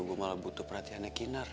gue malah butuh perhatiannya kinar